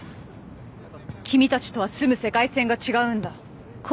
「君たちとは住む世界線が違うんだ」